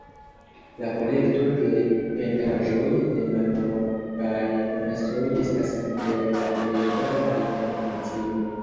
La kolekto de pentraĵoj de malnovaj mastroj estas inter la plej gravaj en Francio.